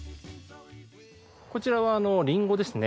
こちらはリンゴですね。